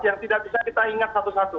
yang tidak bisa kita ingat satu satu